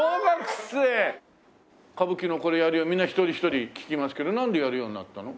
歌舞伎のこれやるようにみんな一人一人聞きますけどなんでやるようになったの？